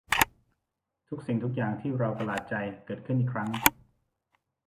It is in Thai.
ทุกสิ่งทุกอย่างที่เราประหลาดใจ เกิดขึ้นอีกครั้ง